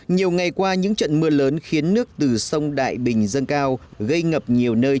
nhiều ngày qua những trận mưa lớn khiến nước từ sông đại bình dâng cao gây ngập nhiều nơi